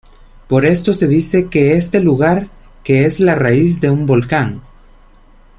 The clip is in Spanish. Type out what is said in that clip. Por esto se dice qu este lugar que es la raíz de un volcán.